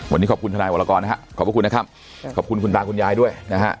วันนี้ขอบคุณทนายวรกรนะฮะขอบพระคุณนะครับขอบคุณคุณตาคุณยายด้วยนะฮะ